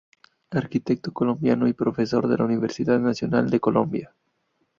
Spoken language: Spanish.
Arquitecto colombiano y profesor de la Universidad Nacional de Colombia.